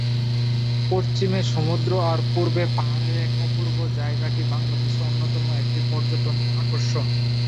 পশ্চিমে সমুদ্র আর পূর্বে পাহাড়ের এক অপূর্ব জায়গাটি বাংলাদেশের অন্যতম একটি পর্যটন আকর্ষণ।